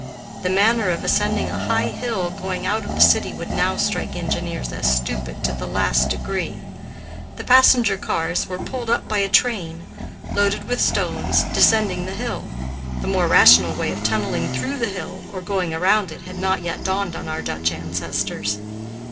The manner of ascending a high hill going out of the city would now strike engineers as stupid to the last degree. The passenger cars were pulled up by a train, loaded with stones, descending the hill. The more rational way of tunneling through the hill or going around it had not yet dawned on our Dutch ancestors.